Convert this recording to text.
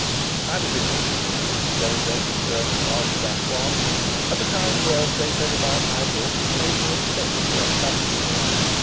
I was introduced to this celebrated person after that one, and the kind words they said about my book made me excessively uncomfortable.